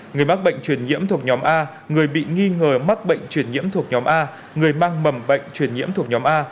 người mắc bệnh truyền nhiễm thuộc nhóm a người bị nghi ngờ mắc bệnh truyền nhiễm thuộc nhóm a người mang mầm bệnh truyền nhiễm thuộc nhóm a